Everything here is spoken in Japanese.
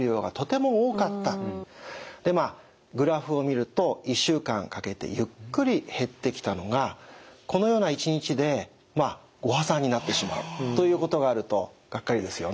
まあグラフを見ると１週間かけてゆっくり減ってきたのがこのような１日でご破算になってしまうということがあるとがっかりですよね。